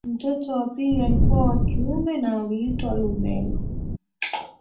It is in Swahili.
Mtoto wa pili alikuwa wa kiume na allitwa Hlumelo